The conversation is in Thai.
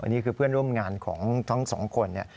อันนี้คือเพื่อนร่วมงานของทั้งสองคน